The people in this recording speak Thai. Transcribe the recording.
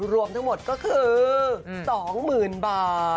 รวมทั้งหมดก็คือ๒๐๐๐บาท